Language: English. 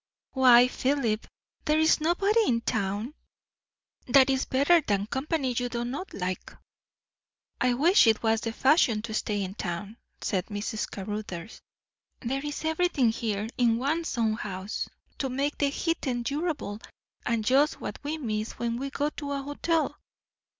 "Why, Philip, there is nobody in town." "That is better than company you do not like." "I wish it was the fashion to stay in town," said Mrs. Caruthers. "There is everything here, in one's own house, to make the heat endurable, and just what we miss when we go to a hotel.